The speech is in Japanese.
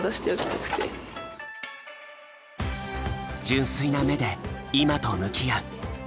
純粋な目で今と向き合う。